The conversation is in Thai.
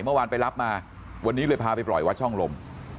เมื่อวานไปรับมาวันนี้เลยพาไปปล่อยวัดช่องลม